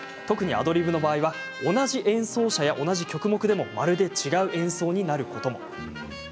特に、アドリブの場合は同じ演奏者や同じ曲目でもまるで違う演奏になることも。